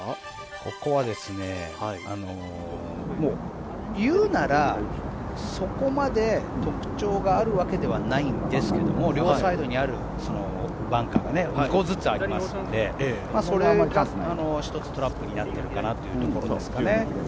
ここは言うならそこまで特徴があるわけではないんですけども両サイドにあるバンカーが２個ずつありますのでそれが１つトラップになっているかなというところですかね。